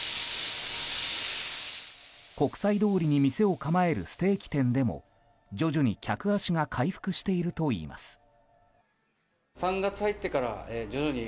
国際通りに店を構えるステーキ店でも徐々に客足が回復しているといいます。